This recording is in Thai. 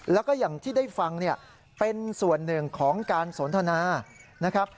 แล้วก็อย่างที่ได้ฟังเนี่ยเป็นส่วนหนึ่งของการสนทนานะครับ